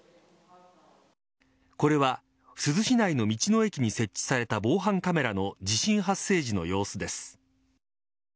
これは珠洲市内の道の駅に設置された防犯カメラの地震発生時の様子です。